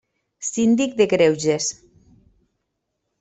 Síndic de Greuges.